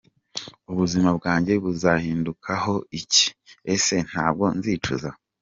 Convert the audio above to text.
Ubuzima bwajye buzahindukaho iki? Ese ntabwo nzicuza?.